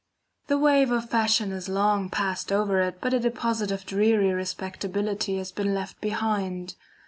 The wave of fashion has long passed over it, but a deposit of dreary respectability has been left behind.